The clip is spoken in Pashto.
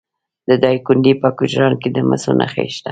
د دایکنډي په کجران کې د مسو نښې شته.